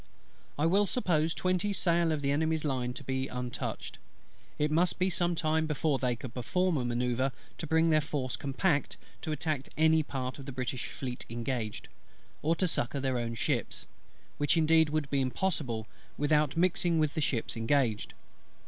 I will suppose twenty sail of the Enemy's line to be untouched: it must be some time before they could perform a manoeuvre to bring their force compact to attack any part of the British Fleet engaged, or to succour their own ships; which indeed would be impossible, without mixing with the ships engaged.